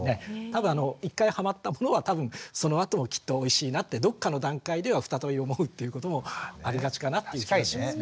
１回ハマったものは多分そのあともきっとおいしいなってどっかの段階では再び思うっていうこともありがちかなっていう気はしますね。